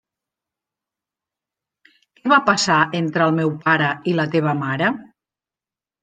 Què va passar entre el meu pare i la teva mare?